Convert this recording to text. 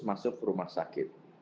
masuk ke rumah sakit